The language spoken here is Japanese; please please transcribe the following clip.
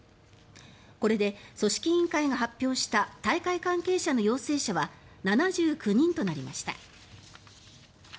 これで組織委員会が発表した大会関係者の陽性者は７９人となりました。